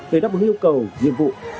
để đáp ứng yêu cầu nhiệm vụ